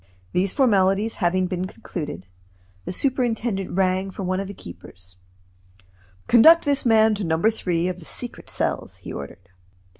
These formalities having been concluded, the superintendent rang for one of the keepers. "Conduct this man to No. 3 of the secret cells," he ordered.